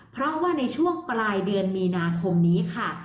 เพราะว่าในช่วงปลายเดือนมีนาคมนี้ค่ะ